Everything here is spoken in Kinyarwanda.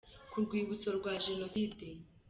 ku rwibutso rwa Jenoside.